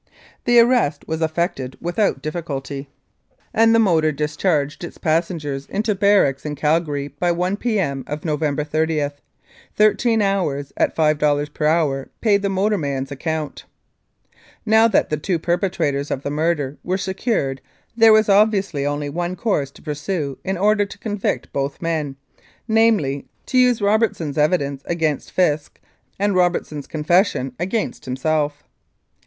The arrest was effected without difficulty, 239 Mounted Police Life in Canada and the motor discharged its passengers into barracks in Calgary by i P.M. of November 30. Thirteen hours at $5 per hour paid the motor man's account. Now that the two perpetrators of the murder were secured there was obviously only one course to pursue in order to convict both men, namely, to use Robert son's evidence against Fisk and Robertson's confession against himself.